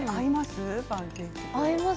合います？